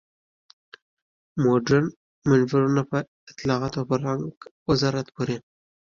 مډرن منبرونه په اطلاعاتو او فرهنګ وزارت پورې.